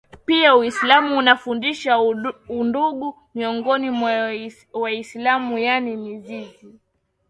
Pia Uislamu unafundisha udugu miongoni mwa Waislamu yaani mzizi